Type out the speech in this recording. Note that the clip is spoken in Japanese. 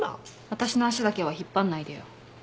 私の足だけは引っ張んないでよ。